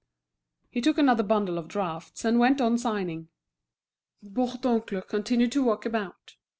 He took another bundle of drafts and went on signing. Bourdoncle continued to walk about.